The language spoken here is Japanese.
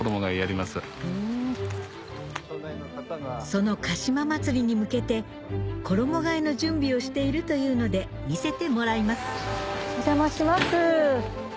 その鹿島まつりに向けて衣替えの準備をしているというので見せてもらいますお邪魔します。